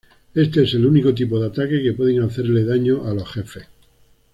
Este es el único tipo de ataque que puede hacerle daño a los jefes.